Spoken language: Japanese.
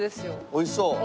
おいしそう！